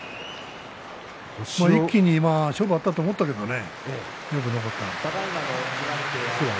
一気に勝負あったと思ったけれどもね。